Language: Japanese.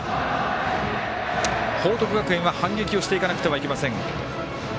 報徳学園は反撃をしていかなくてはいけません。